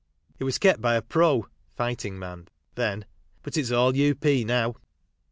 It was kept by a pro (fighting man) then, but it's all U.P. now.